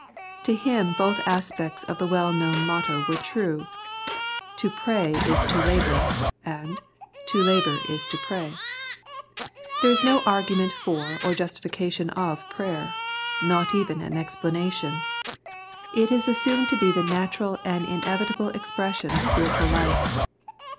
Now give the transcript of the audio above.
To him both aspects of the well known motto were true :" To pray is to labour," and " To labour is to pray." There is no argument for or justification of prayer ; nor even an explanation. It is 3 The Prayers of St. JEaul assumed to be the natural and inevitable expression of spiritual life.